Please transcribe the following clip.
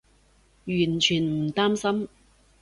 完全唔擔心